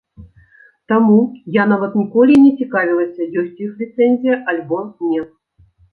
Таму, я нават ніколі і не цікавілася ёсць у іх ліцэнзія альбо не.